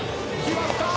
きました！